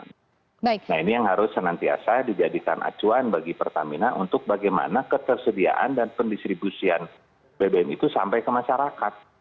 nah ini yang harus senantiasa dijadikan acuan bagi pertamina untuk bagaimana ketersediaan dan pendistribusian bbm itu sampai ke masyarakat